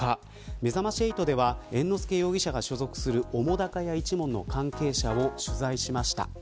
めざまし８では、猿之助容疑者が所属する澤瀉屋一門の関係者を取材しました。